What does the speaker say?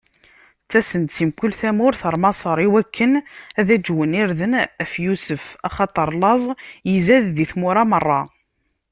Ttasen-d si mkul tamurt ɣer Maṣer iwakken ad aǧwen irden ɣef Yusef, axaṭer laẓ izad di tmura meṛṛa.